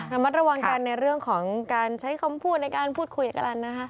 ระมัดระวังกันในเรื่องของการใช้คำพูดในการพูดคุยกันนะคะ